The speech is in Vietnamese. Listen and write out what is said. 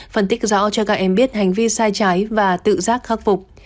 phân tích rõ cho các em biết hành vi sai trái và tự giác khắc phục